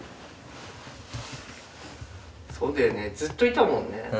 そうだよねずっといたもんね。